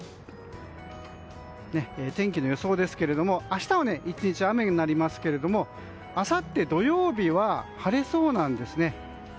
天気の予想ですが明日は１日雨になりますがあさって土曜日は晴れそうなんですね。